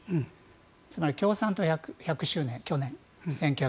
つまり共産党１００周年去年１９２１年。